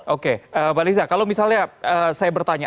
oke mbak liza kalau misalnya saya bertanya